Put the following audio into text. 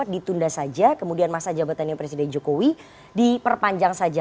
dua ribu dua puluh empat ditunda saja kemudian masa jabatan presiden jokowi diperpanjang saja